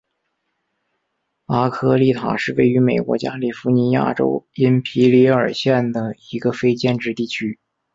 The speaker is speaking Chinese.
阿科利塔是位于美国加利福尼亚州因皮里尔县的一个非建制地区。